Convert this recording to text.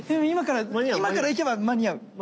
今から今から行けば間に合う。